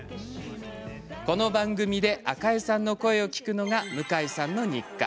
この番組で赤江さんの声を聞くのが向井さんの日課。